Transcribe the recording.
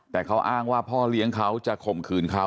แต่เขาอ้างว่าพ่อเลี้ยงเขาจะข่มขืนเขา